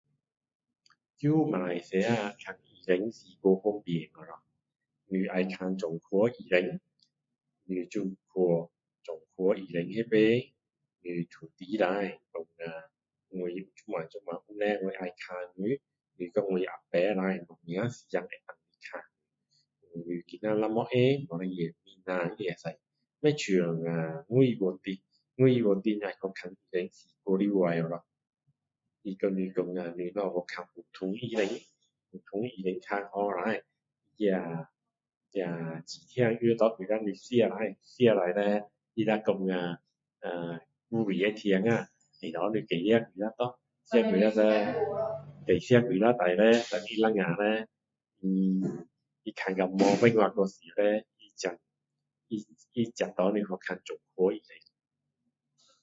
待马来西亚看医生太过方便咯你要请专科医生你就去专科医生那边你通知一下说我有现在有这样这样问题我要看你你跟我安排一下什么时间你能够看你若没空不要紧明天也可以不像外国的外国看医生是太辛苦了咯他跟你说啊你看普通医生普通医生看好一下那那止痛药拿几粒给你吃下吃下若其它地方又痛再拿给你几粒吃咯多吃几粒下若看到没有办法叻他才他才给你去看专科医生